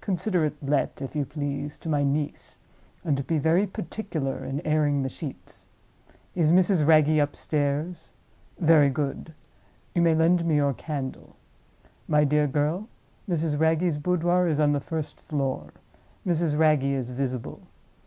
Consider it let, if you please, to my niece—and be very particular in airing the sheets? Is Mrs. Wragge upstairs? Very good. You may lend me your candle. My dear girl, Mrs. Wragge's boudoir is on the first floor; Mrs. Wragge is visible.